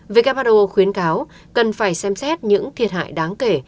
who khuyến cáo cần phải xem xét những thiệt hại đáng kể